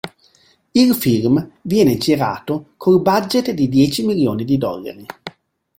Il film viene girato col budget di dieci milioni di dollari.